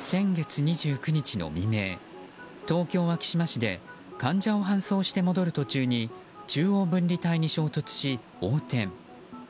先月２９日の未明東京・昭島市で患者を搬送して戻る途中に中央分離帯に衝突し横転。